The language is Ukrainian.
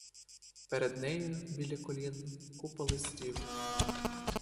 Перед нею, біля колін, купа листів.